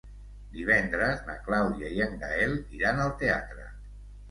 Divendres na Clàudia i en Gaël iran al teatre.